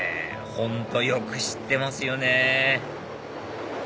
本当よく知ってますよね